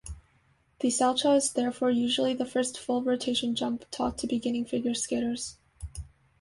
The Salchow is therefore usually the first full-rotation jump taught to beginning figure skaters.